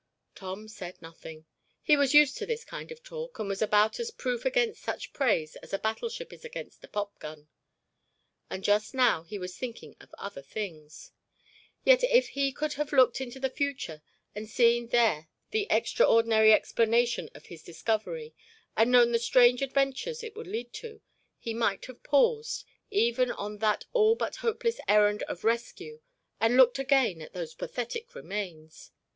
Tom said nothing. He was used to this kind of talk and was about as proof against such praise as a battleship is against a popgun. And just now he was thinking of other things. Yet if he could have looked into the future and seen there the extraordinary explanation of his discovery and known the strange adventures it would lead to, he might have paused, even on that all but hopeless errand of rescue, and looked again at those pathetic remains.